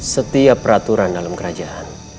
setiap peraturan dalam kerajaan